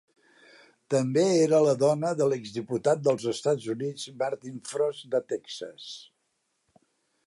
També era la dona del exdiputat dels Estats Units Martin Frost de Texas.